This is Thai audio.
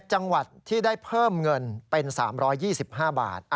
จังหวัดที่ได้เพิ่มเงินเป็น๓๒๕บาท